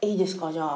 じゃあ。